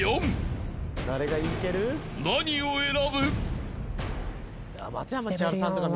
［何を選ぶ？］